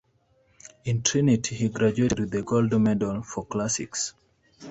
In Trinity he graduated with the gold medal for Classics.